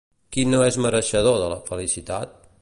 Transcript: Qui no és mereixedor de la felicitat?